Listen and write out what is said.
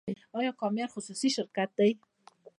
آیا کام ایر خصوصي شرکت دی؟